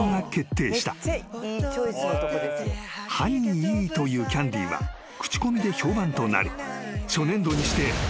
［歯にいいというキャンディーは口コミで評判となり初年度にしておよそ７万個が売れた］